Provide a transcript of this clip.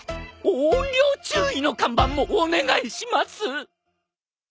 お怨霊注意の看板もお願いします！